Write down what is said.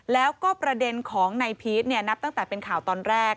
แล้วก็ประเด็นของนายพีชนะตั้งแต่เป็นข่าวตอนแรก